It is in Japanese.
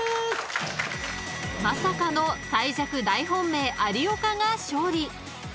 ［まさかの最弱大本命有岡が勝利］